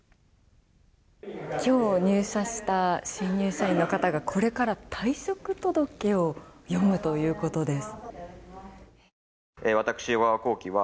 今日、入社した新入社員の方がこれから退職届を読むということです。